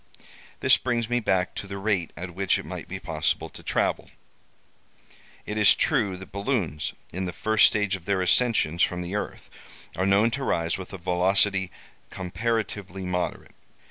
This brings me back to the rate at which it might be possible to travel. "It is true that balloons, in the first stage of their ascensions from the earth, are known to rise with a velocity comparatively moderate.